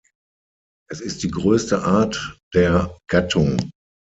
Es ist die größte Art der Gattung.